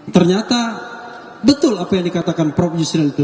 ternyata betul apa yang dikatakan prof yusril itu